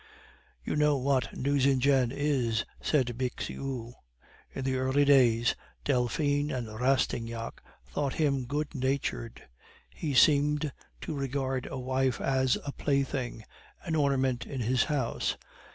"You know what Nucingen is," said Bixiou. "In the early days, Delphine and Rastignac thought him 'good natured'; he seemed to regard a wife as a plaything, an ornament in his house.